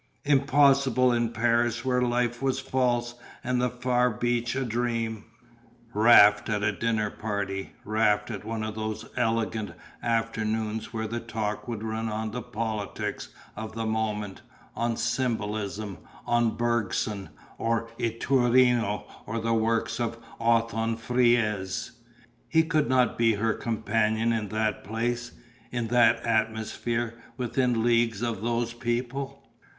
Impossible in Paris where life was false and the far beach a dream. Raft at a dinner party! Raft at one of those elegant afternoons where the talk would run on the politics of the moment, on symbolism, on Bergson, or Iturrino or the works of Othon Friesz ! He could not be her companion in that place, in that atmosphere, within leagues of those people.